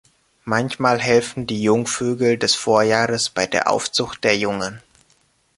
Manchmal helfen die Jungvögel des Vorjahres bei der Aufzucht der Jungen.